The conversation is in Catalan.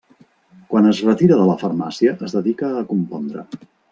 Quan es retira de la farmàcia es dedica a compondre.